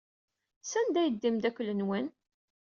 Sanda ay yedda umeddakel-nwen?